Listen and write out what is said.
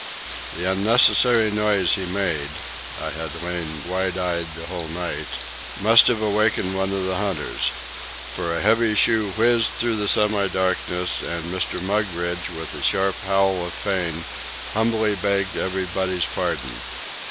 The unnecessary noise he made (I had lain wide eyed the whole night) must have awakened one of the hunters; for a heavy shoe whizzed through the semi darkness, and Mr. Mugridge, with a sharp howl of pain, humbly begged everybody's pardon.